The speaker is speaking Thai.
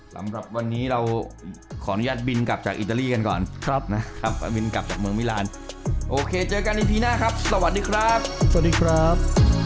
สำหรับวันนี้เราขออนุญาตบินกลับจากอิตาลีกันก่อนนะครับบินกลับจากเมืองมิลานโอเคเจอกันในพีหน้าครับสวัสดีครับสวัสดีครับ